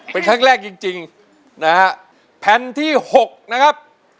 เป็นครั้งแรกจริงนะฮะแผ่นที่๖นะครับ